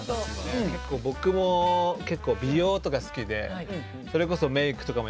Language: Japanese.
結構僕も結構美容とか好きでそれこそメイクとかもやってるんですよ。